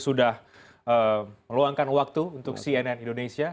sudah meluangkan waktu untuk cnn indonesia